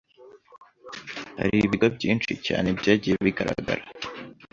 Hari ibigo byinshi cyan byagiye bigaragara